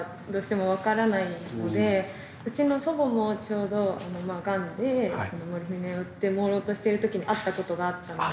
うちの祖母もちょうどがんでモルヒネを打って朦朧としてる時に会ったことがあったので。